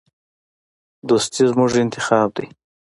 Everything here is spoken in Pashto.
دوستي زموږ انتخاب دی.